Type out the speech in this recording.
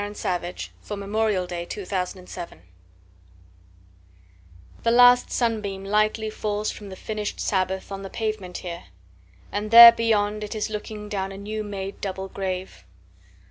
Dirge for Two Veterans 1THE LAST sunbeamLightly falls from the finish'd Sabbath, On the pavement here—and there beyond, it is looking, Down a new made double grave.